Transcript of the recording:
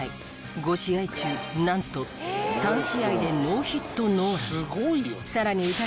５試合中なんと３試合でノーヒットノーラン。